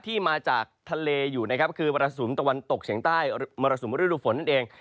ที่มาจากทะเลอยู่นะครับคือมรสุมตะวันตกเฉียงใต้มรสุมฤดูฝนนั่นเอง